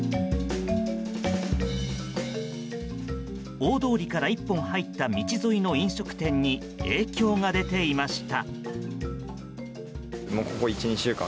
大通りから１本入った道沿いの飲食店に影響が出ていました。